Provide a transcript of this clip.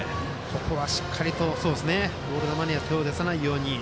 ここはしっかりとボール球には手を出さないように。